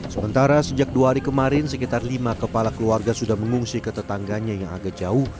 sementara sejak dua hari kemarin sekitar lima kepala keluarga sudah mengungsi ke tetangganya yang agak jauh